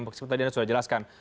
meskipun tadi anda sudah jelaskan